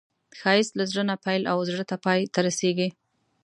ښایست له زړه نه پیل او زړه ته پای ته رسېږي